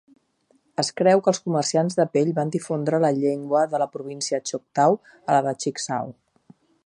Es creu que els comerciants de pell van difondre la llengua de la província Choctaw a la de Chicksaw.